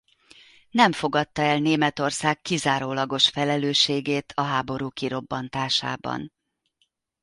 Nem fogadta el Németország kizárólagos felelősségét a háború kirobbantásában.